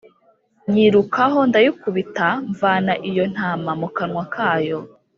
nyirukaho ndayikubita mvana iyo ntama mu kanwa kayo